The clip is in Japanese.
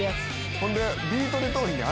ほんで。